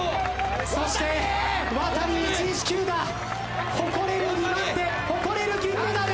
そしてワタリ１１９が誇れる２番手誇れる銀メダル！